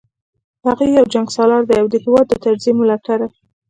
هغه یو جنګسالار دی او د هیواد د تجزیې ملاتړی